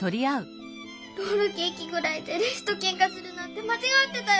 ロールケーキぐらいでレスとけんかするなんてまちがってたよ。